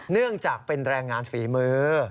เนื่องจากเป็นแรงงานฝีมือ